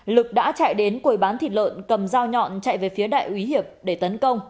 lực đã chạy đến quầy bán thịt lợn cầm dao nhọn chạy về phía đại úy hiệp để tấn công